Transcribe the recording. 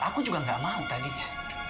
aku juga nggak mau tadi ya